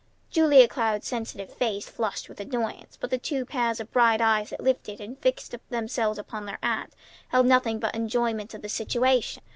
Julia Cloud's sensitive face flushed with annoyance, but the two pairs of bright eyes that lifted and fixed themselves upon their aunt held nothing but enjoyment of the situation.